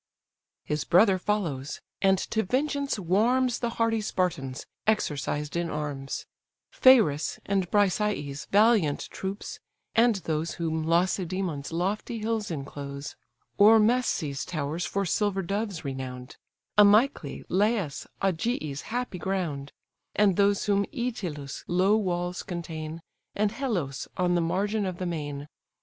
His brother follows, and to vengeance warms The hardy Spartans, exercised in arms: Phares and Brysia's valiant troops, and those Whom Lacedæmon's lofty hills inclose; Or Messé's towers for silver doves renown'd, Amyclæ, Laäs, Augia's happy ground, And those whom Œtylos' low walls contain, And Helos, on the margin of the main.